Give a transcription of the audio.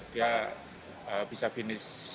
dia bisa finish